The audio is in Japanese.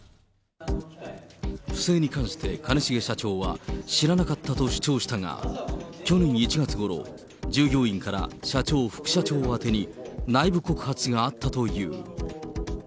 不正に関して兼重社長は知らなかったと主張したが、去年１月ごろ、従業員から社長、副社長宛てに内部告発があったという。